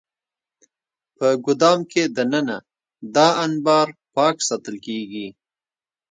په ګدام کې دننه دا انبار پاک ساتل کېږي.